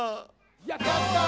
やった！